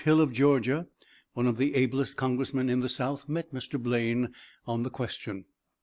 Hill, of Georgia, one of the ablest Congressmen in the South, met Mr. Blaine on the question.